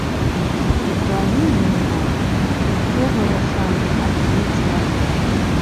У краіне ў нас усё вырашае адзін чалавек.